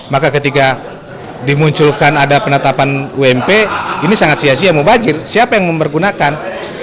maka ketika dimunculkan ada penetapan ump ini sangat sia sia mubajir siapa yang mempergunakan